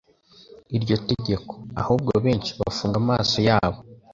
iryo tegeko. Ahubwo benshi bafunga amaso yabo